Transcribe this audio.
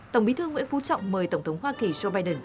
tổng bí thư nguyễn phú trọng mời tổng thống hoa kỳ joe biden